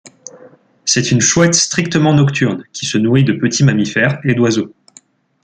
C'est une chouette strictement nocturne, qui se nourrit de petits mammifères et d'oiseaux.